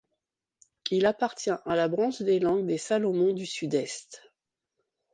Il appartient à la branche des langues des Salomon du Sud-Est.